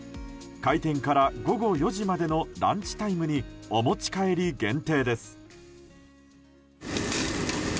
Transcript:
開店から午後４時までのランチタイムにお持ち帰り限定です。